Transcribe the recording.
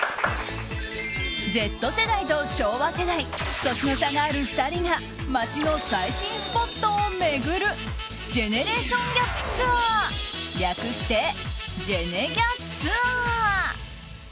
Ｚ世代と昭和世代年の差がある２人が街の最新スポットを巡るジェネレーションギャップツアー略して、ジェネギャツアー。